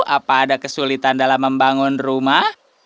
apa ada kesulitan dalam membangun rumah